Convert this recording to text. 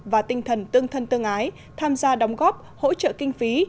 và tinh thần tương thân tương ái tham gia đóng góp hỗ trợ kinh phí